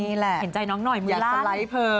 อือคัก็นี่แหละ